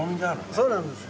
そうなんですよ。